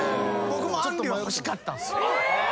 僕もあんりは欲しかったんすよ。